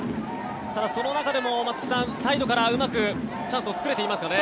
ただ、その中でも松木さんサイドからうまくチャンスを作れていますかね。